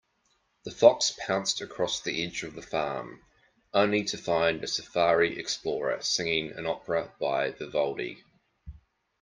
The fox pounced across the edge of the farm, only to find a safari explorer singing an opera by Vivaldi.